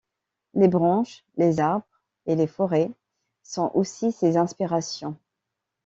Les branches, les arbres et les forêts sont aussi ses inspirations.